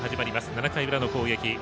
７回の裏の攻撃。